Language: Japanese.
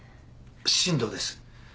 新藤です